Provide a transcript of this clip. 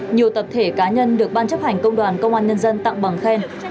nhiều tập thể cá nhân được ban chấp hành công đoàn công an nhân dân tặng bằng khen